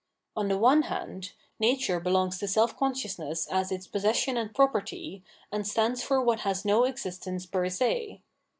On the one hand, nature belongs to self consciousness as its possession and property, and stands for what has no existence per se.